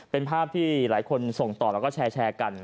เป็นภาพที่หลายคนส่งต่อแล้วก็แชร์กัน